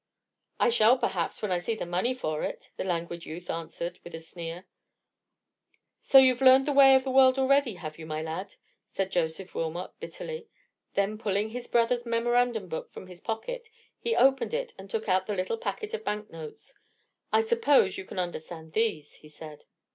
"I shall, perhaps, when I see the money for it," the languid youth answered, with a sneer. "So you've learned the way of the world already, have you, my lad?" said Joseph Wilmot, bitterly. Then, pulling his brother's memorandum book from his pocket, he opened it, and took out the little packet of bank notes. "I suppose you can understand these?" he said.